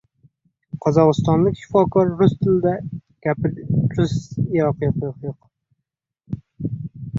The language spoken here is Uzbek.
Qozog‘istonlik shifokor rus tili gapirgani uchun kechirim so‘rashga majbur bo‘ldi